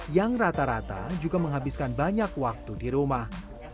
yang rata rata juga menghabiskan banyak waktu di rumah